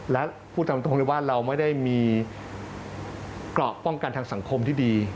และพูดตามตรงเลยว่าเราไม่ได้มีเกราะป้องกันทางสังคมที่ดี